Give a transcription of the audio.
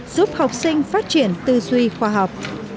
giúp học sinh phát triển tư duy khoa học